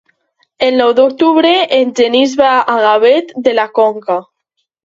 El nou d'octubre en Genís va a Gavet de la Conca.